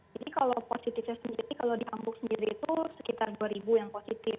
jadi kalau positifnya sendiri kalau di hamburg sendiri itu sekitar dua ribu yang positif